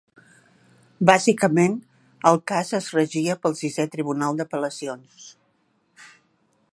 Bàsicament, el cas es regia pel sisè tribunal d'apel·lacions.